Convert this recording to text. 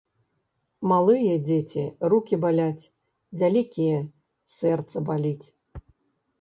Малыя дзеці – рукі баляць, вялікія – сэрца баліць